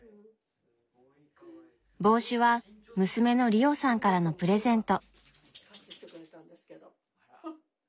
帽子は娘のリオさんからのプレゼント。